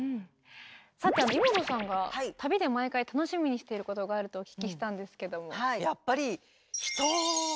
さてイモトさんが旅で毎回楽しみにしてることがあるとお聞きしたんですけども。